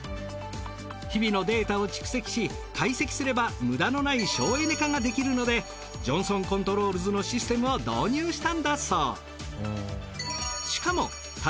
日々のデータを蓄積し解析すれば無駄のない省エネ化ができるのでジョンソンコントロールズのシステムを導入したんだそう。